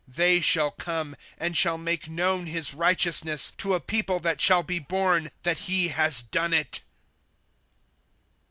Google ^' They shall come, and shall make known his righteousness, To a people that shall be born, that he has done it.